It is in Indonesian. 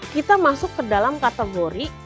kita masuk ke dalam kategori